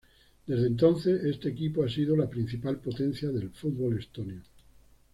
Desde entonces, este equipo ha sido la principal potencia del fútbol estonio.